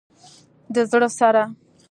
د زړه سره